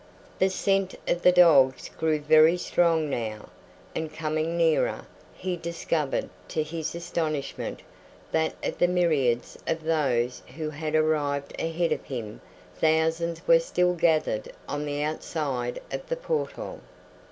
The scent of the dogs grew very strong now, and coming nearer, he discovered, to his astonishment that of the myriads of those who had arrived ahead of him thousands were still gathered on the outside of the portal.